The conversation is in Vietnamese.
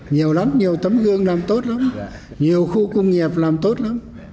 nhiều lắm nhiều tấm gương làm tốt lắm nhiều khu công nghiệp làm tốt lắm